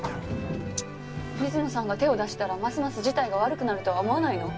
水野さんが手を出したらますます事態が悪くなるとは思わないの？